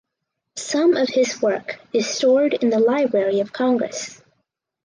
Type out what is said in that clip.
Some of his work is stored in the Library of Congress.